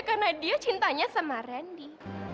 karena dia cintanya sama randy